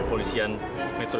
amir minta bantuan